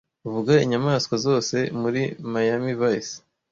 Vuga inyamanswa zose muri Miami Vice